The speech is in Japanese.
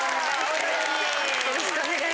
よろしくお願いします。